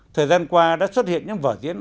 thời gian qua đã xuất hiện những vở diễn